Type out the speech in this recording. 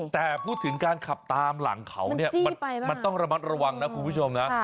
แต่พูดถึงการขับตามหลังเขาเนี่ยมันต้องระมัดระวังนะคุณผู้ชมนะ